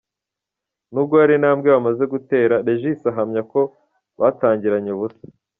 Nubwo hari intabwe bamaze gutera, Regis ahamya ko batangiranye ubusa.